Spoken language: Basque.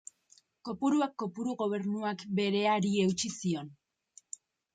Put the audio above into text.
Kopuruak kopuru, gobernuak bereari eutsi zion.